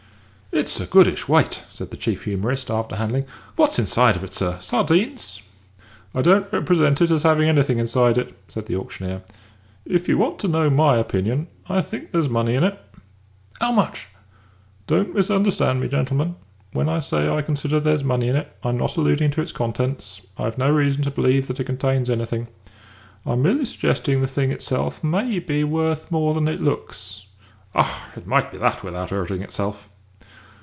"It's a goodish weight," said the chief humorist, after handling it. "What's inside of it, sir sardines?" "I don't represent it as having anything inside it," said the auctioneer. "If you want to know my opinion, I think there's money in it." "'Ow much?" "Don't misunderstand me, gentlemen. When I say I consider there's money in it, I'm not alluding to its contents. I've no reason to believe that it contains anything. I'm merely suggesting the thing itself may be worth more than it looks." "Ah, it might be that without 'urting itself!"